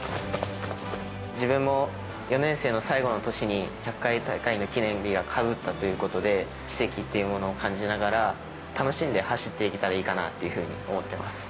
自分も４年生の最後の年に１００回大会の記念日がかぶったということで、奇跡というものも感じながら、楽しんで走っていけたらいいかなっていうふうに思ってます。